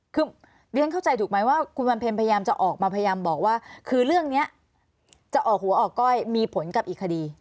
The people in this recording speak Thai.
คือเรียนเข้าใจถูกไหมว่าคุณวันเพ็ญพยายามจะออกมาพยายามบอกว่าคือเรื่องนี้จะออกหัวออกก้อยมีผลกับอีกคดี